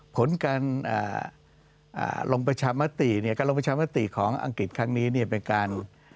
ผลการลงประชามาติของอังกฤษครั้งนี้เป็นการ